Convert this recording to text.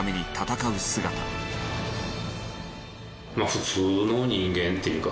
普通の人間っていうか